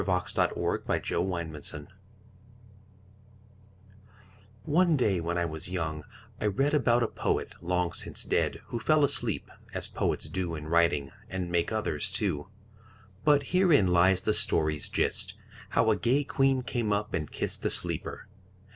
XXIX THE POET WHO SLEEPS One day, when I was young, I read About a poet, long since dead, Who fell asleep, as poets do In writing and make others too. But herein lies the story's gist, How a gay queen came up and kist The sleeper.